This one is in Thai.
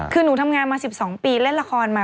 คือหนูทำงานมา๑๒ปีเล่นละครมา